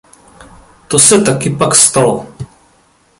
To se taky pak stalo.